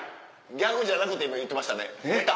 ギャグじゃなくて今言ってましたね「出た！」